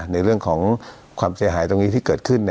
ในเรื่องของความเสียหายตรงนี้ที่เกิดขึ้น